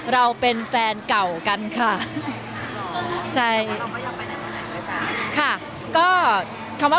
เราเป็นแฟนเก่ากันค่ะ